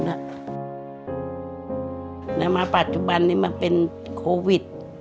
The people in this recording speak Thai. แล้วมาปัจจุบันนี้มันเป็นโควิด